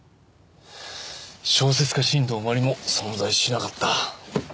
小説家新道真理も存在しなかった。